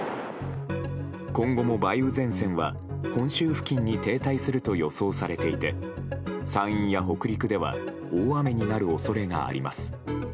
今後も梅雨前線は本州付近に停滞すると予想されていて山陰や北陸では大雨になる恐れがあります。